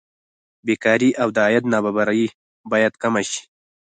بېکاري او د عاید نابرابري باید کمه شي.